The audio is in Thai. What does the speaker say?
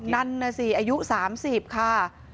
นั่นน่ะสิอายุ๓๐ค่ะ